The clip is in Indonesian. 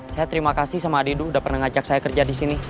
saya terima kasih sama adidu udah pernah ngajak saya kerja di sini